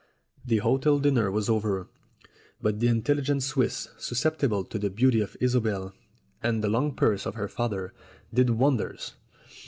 The hotel dinner was over, but the intelligent Swiss, susceptible to the beauty of Isobel and the long purse of her father, did wonders.